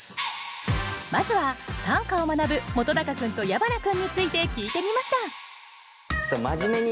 まずは短歌を学ぶ本君と矢花君について聞いてみました